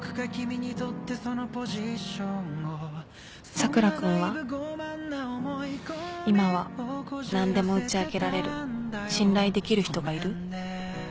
佐倉君は今は何でも打ち明けられる信頼できる人がいる？